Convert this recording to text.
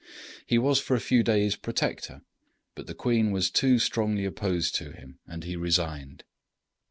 He was for a few days Protector, but the queen was too strongly opposed to him, and he resigned.